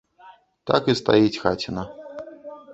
Так і стаіць хаціна.